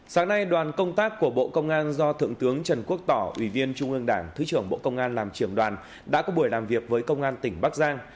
sáng nay đoàn công tác của bộ công an do thượng tướng trần quốc tỏ ủy viên trung ương đảng thứ trưởng bộ công an làm trưởng đoàn đã có buổi làm việc với công an tỉnh bắc giang